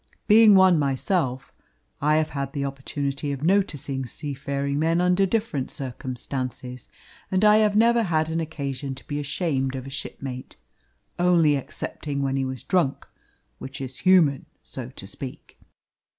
Being one myself I have had opportunity of noticing seafaring men under different circumstances, and I have never had an occasion to be ashamed of a shipmate, only excepting when he was drunk, which is human, so to speak.